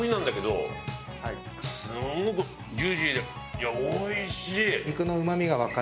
いやおいしい！